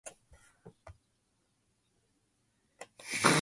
Via the Potomac, it is part of the watershed of Chesapeake Bay.